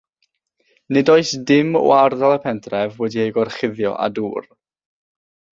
Nid oes dim o ardal y pentref wedi'i gorchuddio â dŵr.